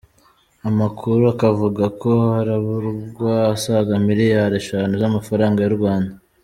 Amakuru akavuga ko habarurwa asaga miliyari eshanu z’amafaranga y’u Rwanda.